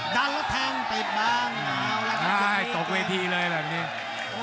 ดันแล้วแทงตีบบังเอาล่ะตกเวทีเลยแบบนี้